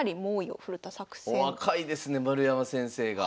お若いですね丸山先生が。